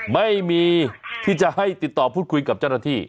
ไม่มีที่จะให้ติดต่อพูดคุยกับเจ้าหน้าที่